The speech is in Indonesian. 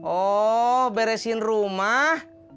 oh beresin rumah